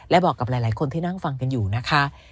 และบอกกับหลายคนที่นั่งฟังกันอยู่นะคะ